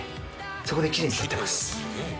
そこできれいに撮ってます。